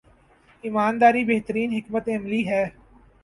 ایمان داری بہترین حکمت عملی ہے۔